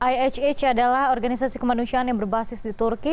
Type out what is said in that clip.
ihh adalah organisasi kemanusiaan yang berbasis di turki